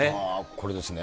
これですね。